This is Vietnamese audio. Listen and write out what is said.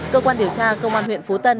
cơ quan điều tra công an huyện phú tân